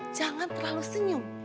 jangan terlalu senyum